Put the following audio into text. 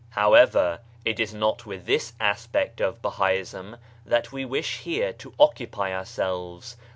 However, it is not with this aspect of Bahaism that we here wish to occupy ourselves.